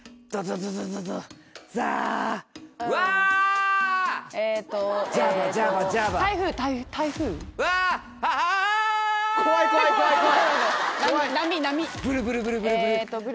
ブルブルブルブルブル。